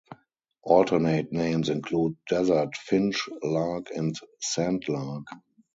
Alternate names include desert finch lark and sand lark.